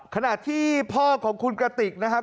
ขณะที่พ่อของคุณกระติกนะครับ